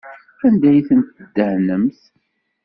Anda ay ten-tdehnemt?